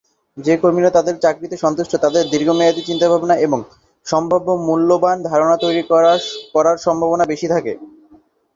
যে কর্মীরা তাদের চাকরিতে সন্তুষ্ট তাদের দীর্ঘমেয়াদী চিন্তাভাবনা এবং সম্ভাব্য মূল্যবান ধারণা তৈরি করার সম্ভাবনা বেশি থাকে।